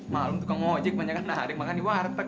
malang tukang ngojek banyak naring makan di warteg